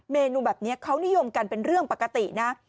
เมนูแบบนี้เขานิยมกันเป็นเรื่องปกตินะ